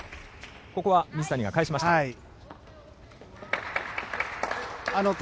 ここは水谷が返しました。